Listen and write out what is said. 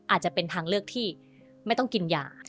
อาจจะเป็นทางเลือกที่ไม่ต้องกินยา